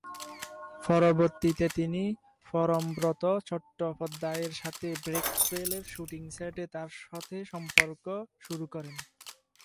পরবর্তীতে তিনি পরমব্রত চট্টোপাধ্যায়ের সাথে "ব্রেক ফেল"-এর শ্যুটিং সেটে তার সাথে সম্পর্ক শুরু করেন।